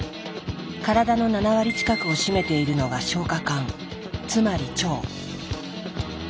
体の７割近くを占めているのが消化管つまり腸。